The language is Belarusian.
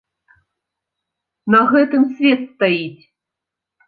На гэтым свет стаіць.